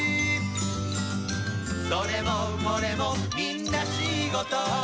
「それもこれもみんなしごと」